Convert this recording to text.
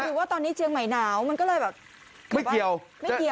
คือว่าตอนนี้เชียงใหม่หนาวมันก็เลยแบบไม่เกี่ยวไม่เกี่ยว